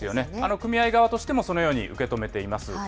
組合側としてもそのように受け止めています。